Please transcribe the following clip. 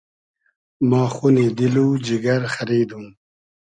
ما خونی دیل و جیگر خئریدوم